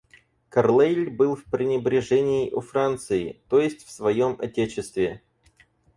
Карлейль был в пренебрежении у Франции, то есть в своем отечестве.